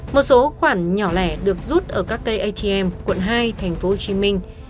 một số khoản nhỏ lẻ được rút ở các cây atm quận hai tp hcm